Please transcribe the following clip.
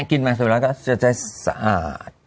อย่ากินบังสวิรัฐก็จะได้สะอาด